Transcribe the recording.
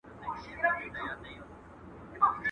باز چي هر څونه وږی سي، چونگوښي نه خوري.